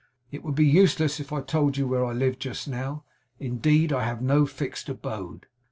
It would be useless if I told you where I live just now; indeed, I have no fixed abode.